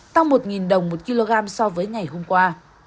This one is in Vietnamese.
tăng một đồng một kg so với ngày hôm qua